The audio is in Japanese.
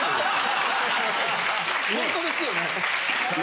ホントですよね。